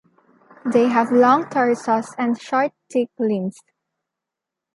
They have long torsos and short, thick limbs.